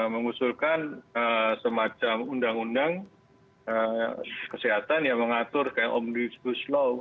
mengusulkan semacam undang undang kesehatan yang mengatur kayak omnibus law